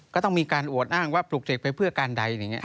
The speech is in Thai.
ก็ต้องมีการอวดอ้างว่าปลูกเสกไปเพื่อการใด